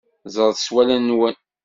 Ẓret s wallen-nwen.